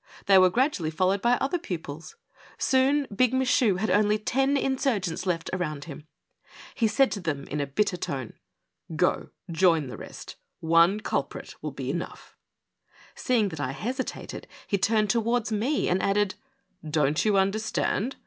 They were gradually followed by other pupils. Soon Big Michu had only ten insurgents left around him. He said to them, in a bitter tone : Go join the rest; one culprit will be enough I " Seeing that I hesitated he turned towards me and added :'' Don't you understand